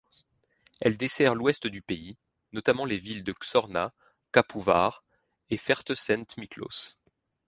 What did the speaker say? Elle dessert l'Ouest du pays, notamment les villes de Csorna, Kapuvár et Fertőszentmiklós.